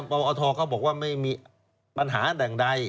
ปอทเขาบอกว่าไม่มีปัญหาแต่ใด